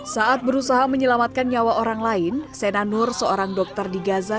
saat berusaha menyelamatkan nyawa orang lain sena nur seorang dokter di gaza